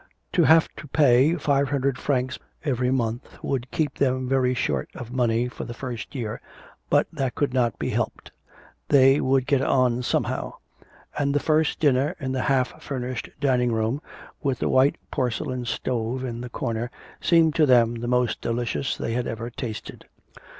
To have to pay five hundred francs every month would keep them very short of money for the first year, but that could not be helped. They would get on somehow; and the first dinner in the half furnished dining room, with the white porcelain stove in the corner, seemed to them the most delicious they had ever tasted.